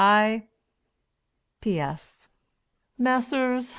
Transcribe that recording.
I P. S. Messrs.